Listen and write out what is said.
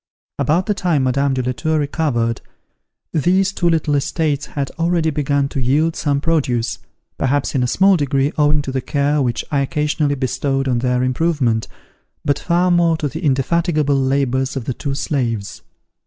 About the time Madame de la Tour recovered, these two little estates had already begun to yield some produce, perhaps in a small degree owing to the care which I occasionally bestowed on their improvement, but far more to the indefatigable labours of the two slaves.